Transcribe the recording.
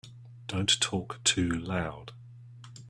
Don't talk too loud.